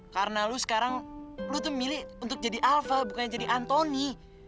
karena lo sekarang lo tuh milih untuk jadi alva bukannya jadi anthony